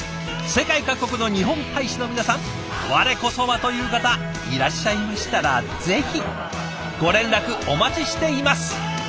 世界各国の日本大使の皆さん「我こそは！」という方いらっしゃいましたらぜひご連絡お待ちしています。